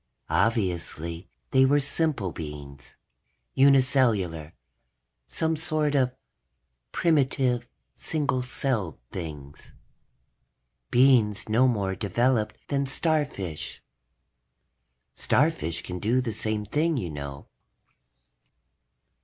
Obviously they were simple beings, uni cellular, some sort of primitive single celled things. Beings no more developed than starfish. Starfish can do the same thing, you know.